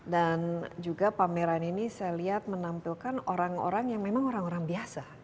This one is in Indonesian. dan juga pameran ini saya lihat menampilkan orang orang yang memang orang orang biasa